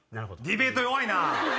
ディベート弱いな！